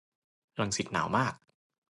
รังสิต หนาวมาก